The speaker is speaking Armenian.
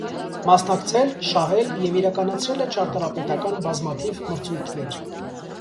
Մասնակցել, շահել և իրականացրել է ճարտարապետական բազմաթիվ մրցույթներ։